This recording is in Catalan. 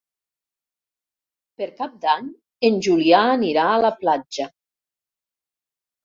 Per Cap d'Any en Julià anirà a la platja.